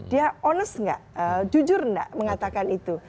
dia honest nggak jujur nggak mengatakan itu